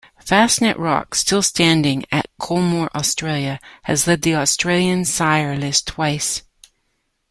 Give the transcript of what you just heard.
Fastnet Rock, still standing at Coolmore Australia, has led the Australian sire list twice.